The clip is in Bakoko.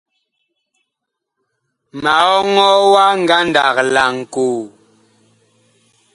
Ma ɔŋɔɔ ngandag wa laŋkoo.